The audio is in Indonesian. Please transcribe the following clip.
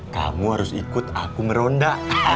kamu harus ikut aku meronda